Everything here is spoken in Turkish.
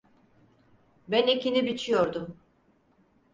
Ben ekini biçiyordum…